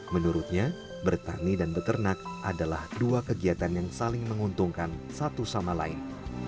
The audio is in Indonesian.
menurutnya bertani dan beternak adalah dua kegiatan yang saling menguntungkan satu sama lain